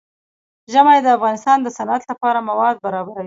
ژمی د افغانستان د صنعت لپاره مواد برابروي.